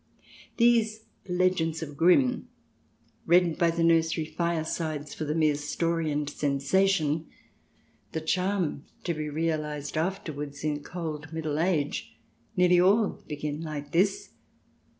..." These legends of Grimm — read by the nursery firesides for the mere story and sensation ; the charm to be realized afterwards in cold middle age — nearly all begin like this.